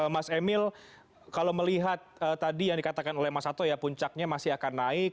mas emil kalau melihat tadi yang dikatakan oleh mas sato ya puncaknya masih akan naik